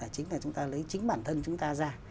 chính là chúng ta lấy chính bản thân chúng ta ra